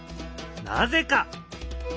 なぜか？